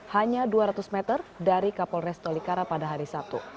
hanya dua ratus meter dari kapolres tolikara pada hari sabtu